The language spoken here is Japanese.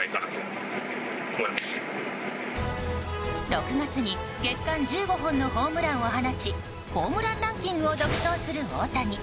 ６月に月間１５本のホームランを放ちホームランランキングを独走する大谷。